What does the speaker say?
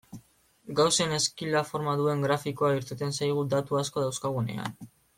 Gaussen ezkila forma duen grafikoa irteten zaigu datu asko dauzkagunean.